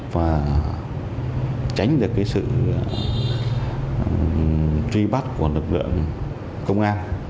và tránh được cái sự truy bắt của lực lượng công an